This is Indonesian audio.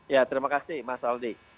ya terima kasih mas aldi